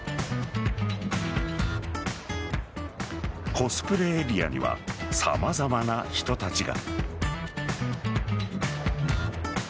コスプレエリアには様々な人たちが。